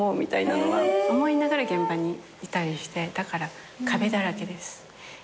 思いながら現場にいたりしてだから壁だらけです。